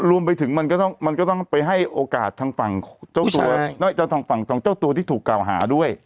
รวมไปถึงมันก็ต้องไปให้โอกาสทางฝั่งเจ้าตัวที่ถูกกล่าวหาด้วย